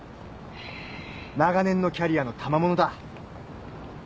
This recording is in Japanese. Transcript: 長年のキャリアのたまものだ。